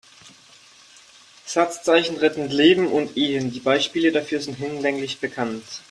Satzzeichen retten Leben und Ehen, die Beispiele dafür sind hinlänglich bekannt.